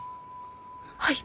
はい。